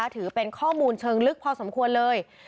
ถือเป็นข้อมูลเชิงลึกพอสมควรเลย